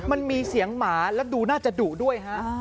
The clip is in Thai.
มันมีเสียงหมาแล้วดูน่าจะดุด้วยฮะ